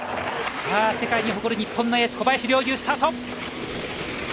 世界に誇る日本のエース小林陵侑、スタート。